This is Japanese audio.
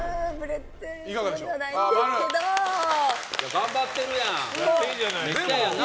○。頑張ってるやん。